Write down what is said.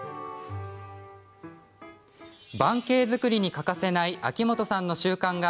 盤景作りに欠かせない秋元さんの習慣が